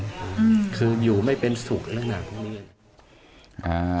คืออยู่ไม่เป็นสุขแล้วนะ